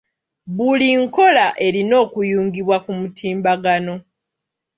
Buli nkola erina okuyungibwa ku mutimbagano.